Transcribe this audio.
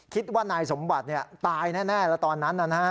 คิดว่านายสมบัติตายแน่แล้วตอนนั้นนะฮะ